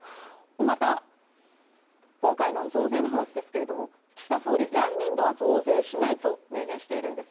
また、今回の増税の話ですが岸田総理、来年度は増税しないと明言しています。